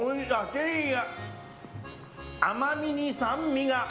チェリーの甘みに酸味が。